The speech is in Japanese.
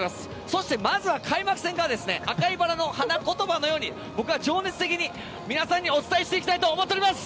そしてまずは開幕戦から赤いバラの花言葉のように僕は情熱的に皆さんにお伝えしていきたいと思っております。